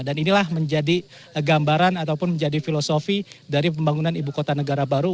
dan inilah menjadi gambaran ataupun menjadi filosofi dari pembangunan ibu kota negara baru